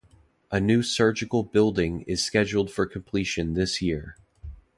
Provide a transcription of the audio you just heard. A new surgical building is scheduled for completion this year.